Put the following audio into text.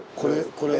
これ。